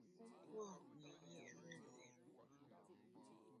Pon pua’ me yié’re lérewa.